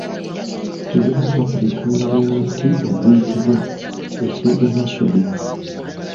Lyava ku bikoola bya muti oguyitibwa ekyeggamasole.